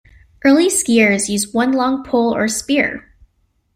Early skiers used one long pole or spear.